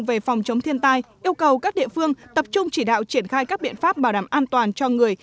về phòng chống thiên tai yêu cầu các địa phương tập trung chỉ đạo triển khai các biện pháp bảo đảm an toàn cho người